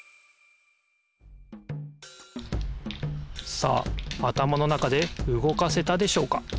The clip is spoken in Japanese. さああたまの中でうごかせたでしょうか？